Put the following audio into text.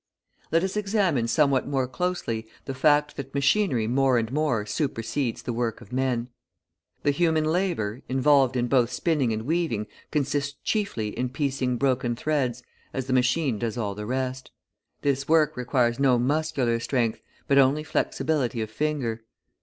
Let us examine somewhat more closely the fact that machinery more and more supersedes the work of men. The human labour, involved in both spinning and weaving, consists chiefly in piecing broken threads, as the machine does all the rest. This work requires no muscular strength, but only flexibility of finger.